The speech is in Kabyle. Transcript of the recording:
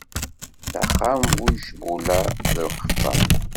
D axxam bu yicbula d lqeffa.